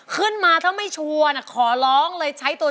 คุณน้ำทิกคิดว่าเพลงอะไรครับ